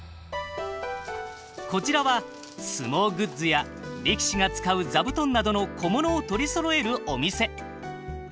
こちらは相撲グッズや力士が使う座布団などの小物を取りそろえるお店。